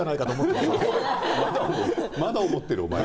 まだ思ってる？